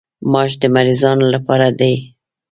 ماش د مریضانو لپاره دي.